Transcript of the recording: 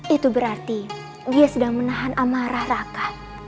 itu berarti dia sedang menahan amarah raka